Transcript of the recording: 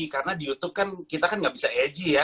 karena di youtube kan kita kan nggak bisa edgy ya